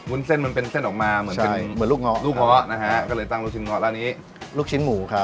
วุ้นเส้นมันเป็นเส้นออกมาเหมือนเป็นเหมือนลูกเงาลูกเงาะนะฮะก็เลยตั้งลูกชิ้นง้อแล้วอันนี้ลูกชิ้นหมูครับ